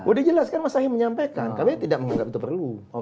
udah jelas kan mas sahih menyampaikan kami tidak menganggap itu perlu